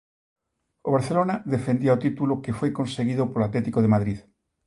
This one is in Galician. O Barcelona defendía o título que foi conseguido polo Atlético de Madrid.